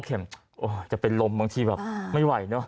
เข็มจะเป็นลมบางทีแบบไม่ไหวเนอะ